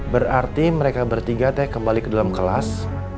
berarti mereka bertiga kembali ke dalam kelas